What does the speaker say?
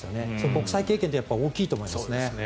国際経験って大きいと思いますね。